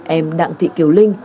em đặng thị kiều linh